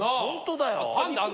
ホントだよ。